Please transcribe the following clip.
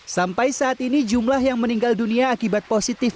sampai saat ini jumlah yang meninggal dunia akibat positif